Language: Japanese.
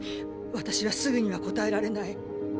私はすぐには答えられない。